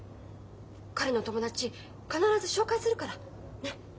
彼の友達必ず紹介するから。ね！